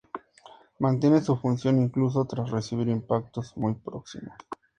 Mantiene su función incluso tras recibir impactos muy próximos.